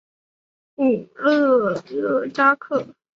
武勒热扎克。